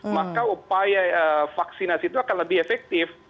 maka upaya vaksinasi itu akan lebih efektif